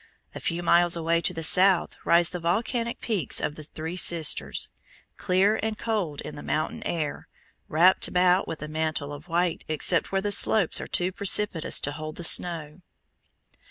A few miles away to the south rise the volcanic peaks of the Three Sisters, clear and cold in the mountain air, wrapt about with a mantle of white except where the slopes are too precipitous to hold the snow.